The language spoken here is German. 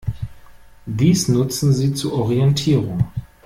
Dies nutzen sie zur Orientierung.